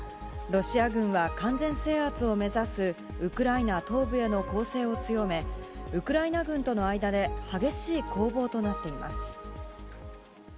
ロシア軍は、完全制圧を目指すウクライナ東部への攻勢を強め、ウクライナ軍との間で激しい攻防となっています。